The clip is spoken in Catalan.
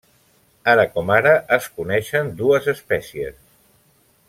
Ara com ara es coneixen dues espècies.